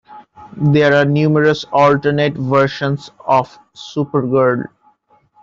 There are numerous alternate versions of Supergirl.